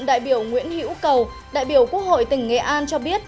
đại biểu nguyễn hữu cầu đại biểu quốc hội tỉnh nghệ an cho biết